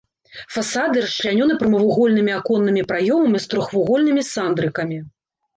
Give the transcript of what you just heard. Фасады расчлянёны прамавугольнымі аконнымі праёмамі з трохвугольнымі сандрыкамі.